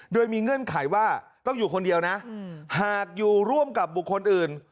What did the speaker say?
โดยมีเงื่อนไขว่าต้องอยู่คนเดียวนะหากอยู่ร่วมกับบุคคลอื่น